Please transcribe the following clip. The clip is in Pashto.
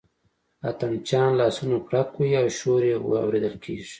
اتڼ چیان لاسونه پړک وهي او شور یې اورېدل کېږي.